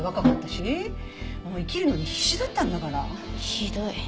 ひどい。